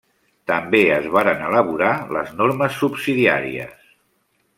També es varen elaborar les normes subsidiàries.